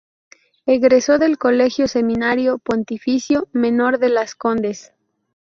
Egresó del Colegio Seminario Pontificio Menor de Las Condes.